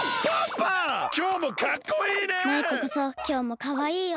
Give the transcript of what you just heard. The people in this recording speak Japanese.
きょうもかっこいいね！